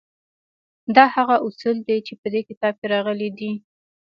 دا هغه اصول دي چې په دې کتاب کې راغلي دي